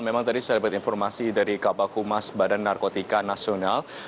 memang tadi saya dapat informasi dari kabak humas badan narkotika nasional